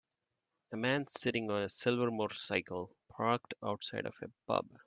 A man sitting on a silver motorcycle, parked outside of a pub.